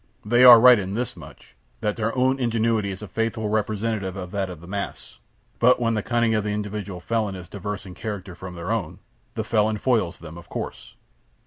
They are right in this much that their own ingenuity is a faithful representative of that of the mass; but when the cunning of the individual felon is diverse in character from their own, the felon foils them of course.